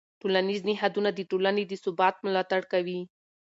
ټولنیز نهادونه د ټولنې د ثبات ملاتړ کوي.